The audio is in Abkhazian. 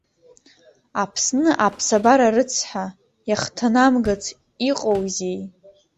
Аԥсны аԥсабара рыцҳа, иахҭнамгац иҟоузеи.